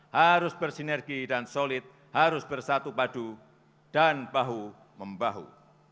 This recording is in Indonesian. harus bersinergi dan solid harus bersatu padu dan bahu membahu